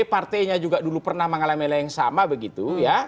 partainya juga dulu pernah mengalami yang sama begitu ya